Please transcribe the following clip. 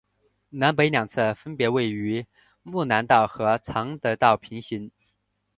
南北两侧分别与睦南道和常德道平行。